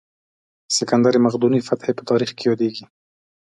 د سکندر مقدوني فتحې په تاریخ کې یادېږي.